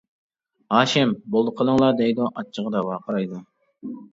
ھاشىم: بولدى قىلىڭلار دەيدۇ ئاچچىقىدا ۋارقىرايدۇ.